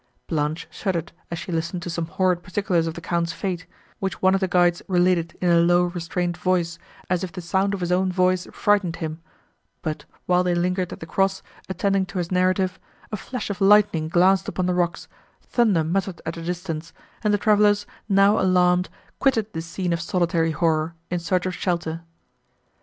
Blanche shuddered, as she listened to some horrid particulars of the Count's fate, which one of the guides related in a low, restrained tone, as if the sound of his own voice frightened him; but, while they lingered at the cross, attending to his narrative, a flash of lightning glanced upon the rocks, thunder muttered at a distance, and the travellers, now alarmed, quitted this scene of solitary horror, in search of shelter.